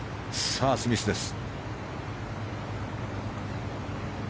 スミスです。